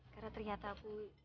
karena ternyata aku